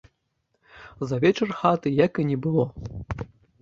За вечар хаты як і не было.